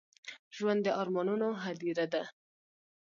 ژوند د ارمانونو هديره ده.